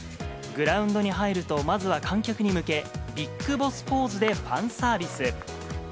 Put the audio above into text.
グラウンドに入ると、まずは観客に向け、ビッグボスポーズでファンサービス。